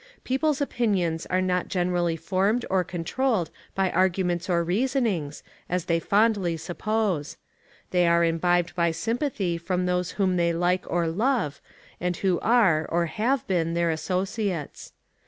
People's opinions are not generally formed or controlled by arguments or reasonings, as they fondly suppose. They are imbibed by sympathy from those whom they like or love, and who are, or have been, their associates.